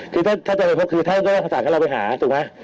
คือถ้าจะไปพบคือท่านก็ต้องสั่งให้เราไปหาถูกไหม